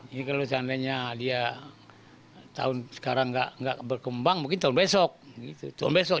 ini kalau seandainya dia tahun sekarang nggak berkembang mungkin tahun besok gitu